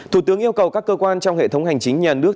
thủ tướng yêu cầu các cơ quan trong hệ thống hành chính nhà nước